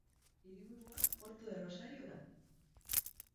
Hiriburua Puerto del Rosario da.